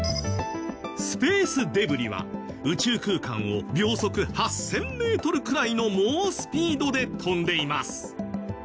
スペースデブリは宇宙空間を秒速８０００メートルくらいの猛スピードで飛んでいます。